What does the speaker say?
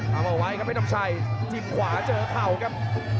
เอาไว้ครับเพชรน้ำชัยจิ้มขวาเจอเข่าครับ